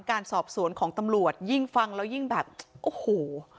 การสอบสวนของตำรวจยิ่งฟังแล้วยิ่งแบบโอ้โห